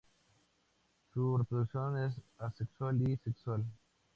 Su reproducción es asexual y sexual.